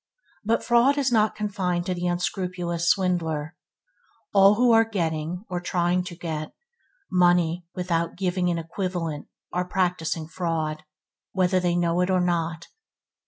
But fraud is not confined to the unscrupulous swindler. All who are getting, or trying to get, money without giving an equivalent are practicing fraud, whether they know it or not.